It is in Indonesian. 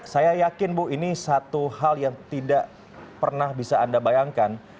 saya yakin bu ini satu hal yang tidak pernah bisa anda bayangkan